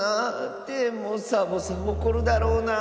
でもサボさんおこるだろうなあ。